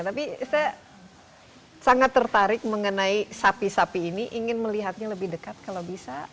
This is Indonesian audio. tapi saya sangat tertarik mengenai sapi sapi ini ingin melihatnya lebih dekat kalau bisa